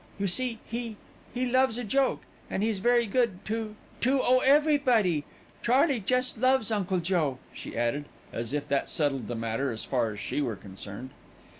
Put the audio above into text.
"You see, he he loves a joke, and he's very good to to, oh, everybody! Charley just loves Uncle Joe," she added, as if that settled the matter as far as she were concerned.